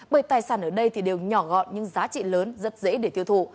bởi tài sản ở đây thì đều nhỏ gọn nhưng giá trị lớn rất dễ để tiêu thụ